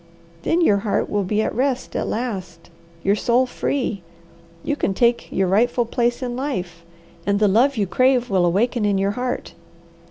Then your heart will be at rest at last, your soul free, you can take your rightful place in life, and the love you crave will awaken in your heart.